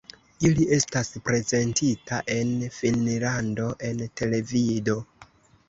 Ili estas prezentita en Finnlando en televido.